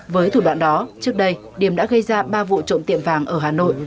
với thủ đoạn đó trước đây điểm đã gây ra ba vụ trộm tiệm vàng ở hà nội